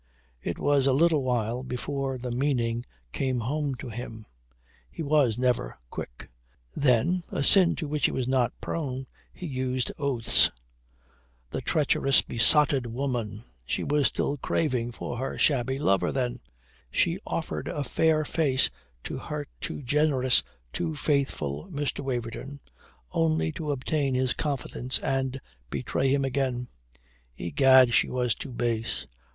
It was a little while before the meaning came home to him. He was never quick. Then (a sin to which he was not prone) he used oaths. The treacherous, besotted woman! She was still craving for her shabby lover, then. She offered a fair face to her too generous, too faithful Mr. Waverton, only to obtain his confidence and betray him again. Egad, she was too base.